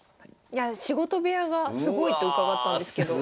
いやあ仕事部屋がすごいと伺ったんですけど。